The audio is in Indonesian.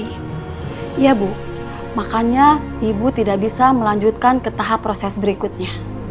iya bu makanya ibu tidak bisa melanjutkan ke tahap proses berikutnya